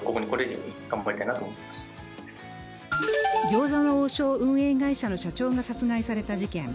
餃子の王将運営会社の社長が殺害された事件。